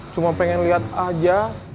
cuma pengen lihat aja